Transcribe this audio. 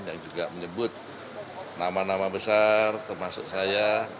yang juga menyebut nama nama besar termasuk saya